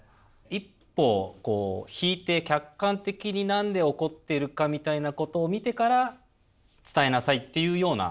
一歩こう引いて客観的に何で怒っているかみたいなことを見てから伝えなさいっていうような。